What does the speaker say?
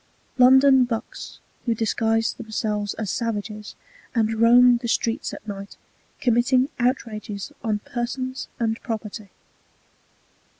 [Footnote 1: London "bucks" who disguised themselves as savages and roamed the streets at night, committing outrages on persons and property.